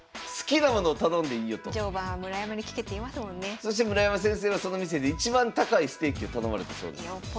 そして村山先生はその店でいちばん高いステーキを頼まれたそうです。